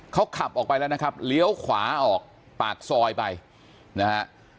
เขาขับออกไปแล้วนะครับเลี้ยวขวาออกปากซอยไปนะฮะ